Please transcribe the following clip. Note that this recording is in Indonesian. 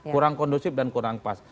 kurang kondusif dan kurang pas